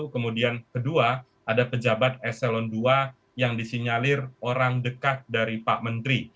kemudian kedua ada pejabat eselon ii yang disinyalir orang dekat dari pak menteri